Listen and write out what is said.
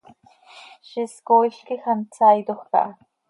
Ziix is cooil quij hant saitoj caha.